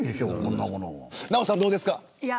ナヲさん、どうですか。